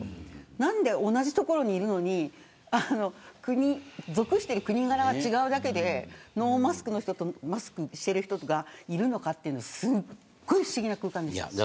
何で同じ所にいるのに属している国柄が違うだけでノーマスクの人とマスクをしている人がいるのかというのはすごい不思議な空間でした。